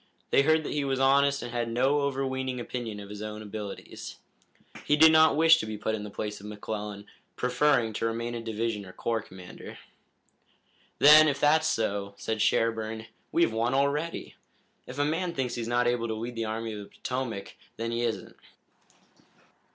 They heard that he was honest and had no overweening opinion of his own abilities. He did not wish to be put in the place of McClellan, preferring to remain a division or corps commander. "Then, if that's so," said Sherburne, "we've won already. If a man thinks he's not able to lead the Army of the Potomac, then he isn't.